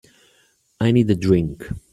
I need a drink.